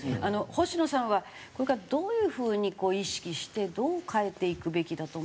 星野さんはこれからどういう風に意識してどう変えていくべきだと思われますか？